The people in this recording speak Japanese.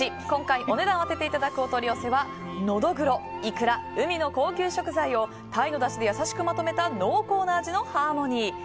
今回お値段を当てていただくお取り寄せはノドグロ、イクラ海の高級食材をタイのだしで優しくまとめた濃厚な味のハーモニー。